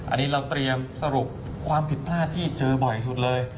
อันนี้เราเตรียมสรุปความผิดพลาดที่เจอบ่อยสุดเลย